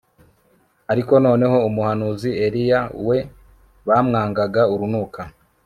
ariko noneho umuhanuzi Eliya we bamwangaga urunuka